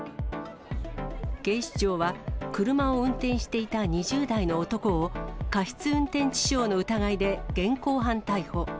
警視庁は、車を運転していた２０代の男を過失運転致傷の疑いで現行犯逮捕。